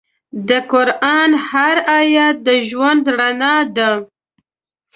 د قرآن هر آیت د ژوند رڼا ده.